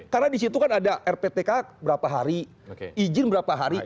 karena di situ kan ada rptk berapa hari izin berapa hari